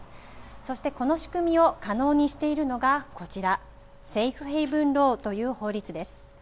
そして、この仕組みを可能にしているのがこちら、セーフ・ヘイブン・ローという法律です。